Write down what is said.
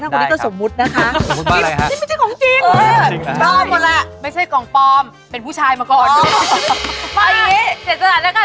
กะทั้งคนนี้ก็สมมุตินะคะ